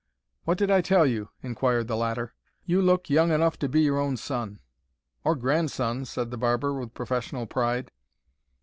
"What did I tell you?" inquired the latter. "You look young enough to be your own son." "Or grandson," said the barber, with professional pride.